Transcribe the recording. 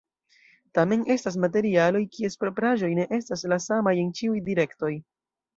Tamen, estas materialoj kies propraĵoj ne estas la samaj en ĉiuj direktoj.